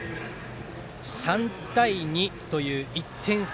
３対２という１点差。